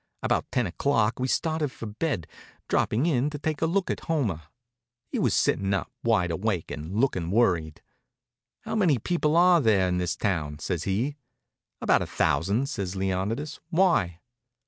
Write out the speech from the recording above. About ten o'clock we started for bed, droppin' in to take a look at Homer. He was sittin' up, wide awake and lookin' worried. "How many people are there in this town?" says he. "About a thousand," says Leonidas. "Why?"